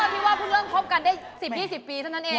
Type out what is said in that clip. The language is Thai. พี่ว่าเพิ่งเริ่มคบกันได้๑๐๒๐ปีเท่านั้นเอง